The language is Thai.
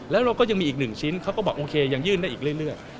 แล้วเราก็ยังมีอีกหนึ่งชิ้นเขาก็บอกโอเคยังยื่นได้อีกเรื่อย